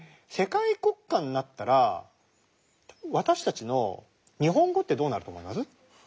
世界国家になったら私たちの日本語ってどうなると思います？